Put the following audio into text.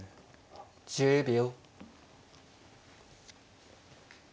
１０秒。